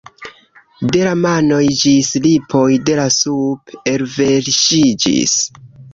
De la manoj ĝis lipoj la sup' elverŝiĝis.